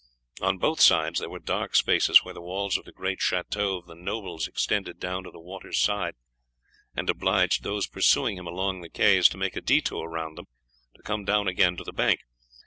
On both sides there were dark spaces where the walls of the great chateaux of the nobles extended down to the water's side, and obliged those pursuing him along the quays to make a detour round them to come down again to the bank.